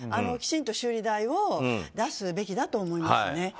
きちんと修理代を出すべきだと思いますね。